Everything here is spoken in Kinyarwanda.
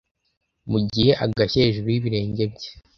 Mugihe, agashya hejuru y'ibirenge bye,